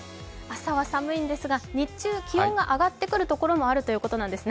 朝は寒いんですが日中気温が上がってくるところもあるということですね。